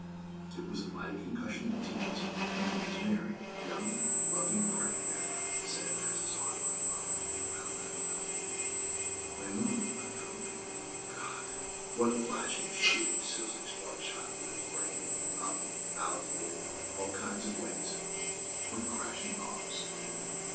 _ It was a mighty concussion of T.N.T., coming as Mary, young, loving, praying Mary, said, as his arms unwound from around that frail form: "Why, Norman! Not drunk?" God!! What flashing, shooting, sizzling sparks shot through his brain!! Up, out, in; all kinds of ways!! What crashing bombs!!